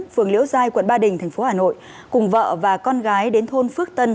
phường liễu giai quận ba đình thành phố hà nội cùng vợ và con gái đến thôn phước tân